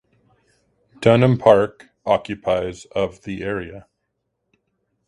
Dunham Park occupies of the area.